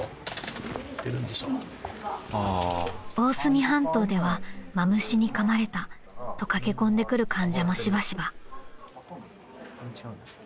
［大隅半島では「マムシにかまれた」と駆け込んでくる患者もしばしば］